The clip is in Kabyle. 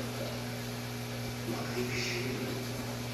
Aql-ik ccwi.